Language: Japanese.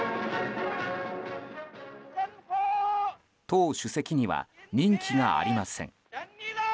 党主席には任期がありません。